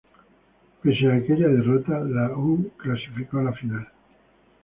Pese a aquella derrota, la U clasificó a la final.